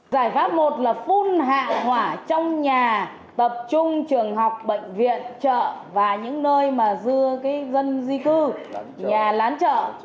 giải pháp một là phun hạ hỏa trong nhà tập trung trường học bệnh viện chợ và những nơi mà dư dân di cư nhà lán chợ